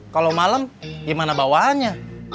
kalau malem gimana bawaannya